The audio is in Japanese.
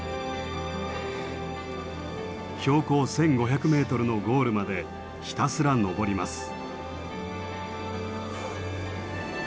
標高１，５００メートルのゴールまでひたすら上ります。